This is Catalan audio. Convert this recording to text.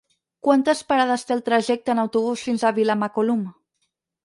Quantes parades té el trajecte en autobús fins a Vilamacolum?